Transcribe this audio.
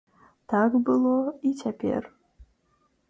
Так было і цяпер.